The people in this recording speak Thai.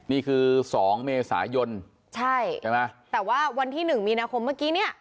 นี่คือ๒เมษายนใช่แต่ว่าวันที่๑มีนาคมเมื่อกี้เนี่ย